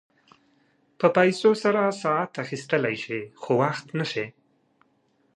په پیسو سره ساعت اخيستلی شې خو وخت نه شې.